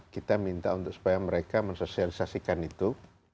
kita minta untuk supaya mereka mensosialisasikan itu